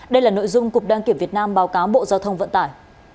đây là nội dung cục đăng kiểm việt nam báo cáo bộ giao thông vận tải